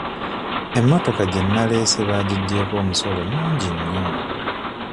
Emmotoka gye naleese bagiggyeko omusolo mungi nnyo.